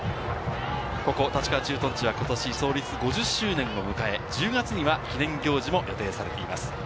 ここ立川駐屯地はことし創立５０周年を迎え、１０月には記念行事も予定されています。